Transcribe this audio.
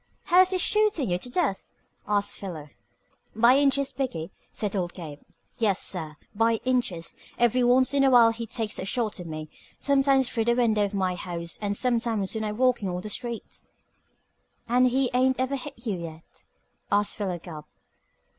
"How is he shootin' you to death?" asked Philo. "By inches, b'gee," said old Gabe. "Yes, sir, by inches. Every once in a while he takes a shot at me. Sometimes through the window of my house, and sometimes when I'm walkin' on the street." "And he ain't ever hit you yet?" asked Philo Gubb.